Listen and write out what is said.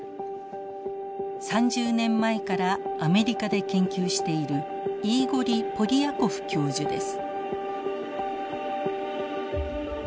３０年前からアメリカで研究しているイーゴリ・ポリヤコフ教授です。